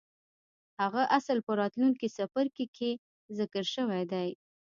هغه اصل په راتلونکي څپرکي کې ذکر شوی دی.